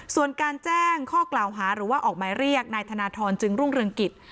ส่วนการแจ้งข้อกล่าวหาหรือว่าออกหมายเรียกนายธนทรจึงรุ่งเรืองกิจ